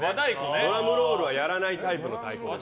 ドラムロールはやらないタイプの太鼓です。